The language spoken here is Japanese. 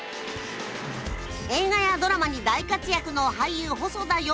映画やドラマに大活躍の俳優細田善彦君。